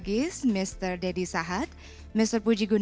kita akan menghitung gambar